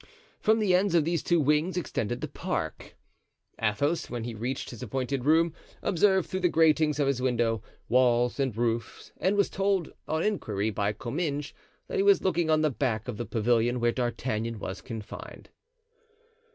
From the ends of these two wings extended the park. Athos, when he reached his appointed room, observed through the gratings of his window, walls and roofs; and was told, on inquiry, by Comminges, that he was looking on the back of the pavilion where D'Artagnan was confined.